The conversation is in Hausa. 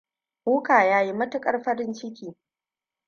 Hooker yayi matukar farin ciki.